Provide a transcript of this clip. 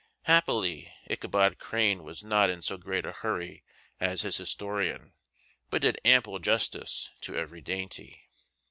Happily, Ichabod Crane was not in so great a hurry as his historian, but did ample justice to every dainty.